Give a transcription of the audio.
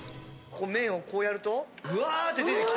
麺をこうやるとぐわって出てきた！